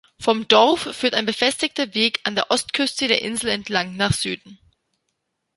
Vom Dorf führt ein befestigter Weg an der Ostküste der Insel entlang nach Süden.